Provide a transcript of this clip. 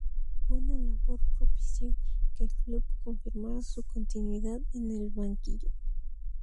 Su buena labor propició que el club confirmara su continuidad en el banquillo.